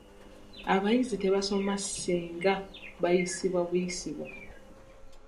Abayizi tebasoma singa bayisibwa buyisibwa.